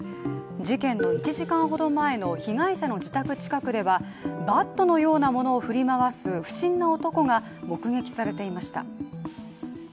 事件の１時間ほど前の被害者の自宅近くではバットのようなものを振り回す不審な男が目撃されていました。